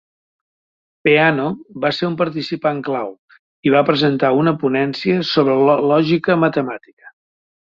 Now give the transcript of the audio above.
Peano va ser un participant clau, i va presentar una ponència sobre la lògica matemàtica.